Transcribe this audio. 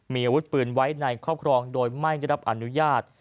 มีอาวุธปืนไว้ในครอบครองโดยไม่ได้รับอนุญาต